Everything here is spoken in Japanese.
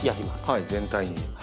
はい全体に。